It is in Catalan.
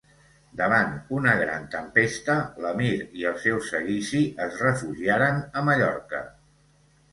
Davant una gran tempesta, l'emir i el seu seguici es refugiaren a Mallorca.